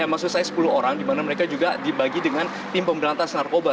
maksud saya sepuluh orang di mana mereka juga dibagi dengan tim pemberantas narkoba